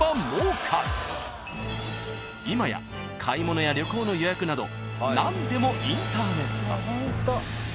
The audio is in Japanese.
［今や買い物や旅行の予約など何でもインターネット］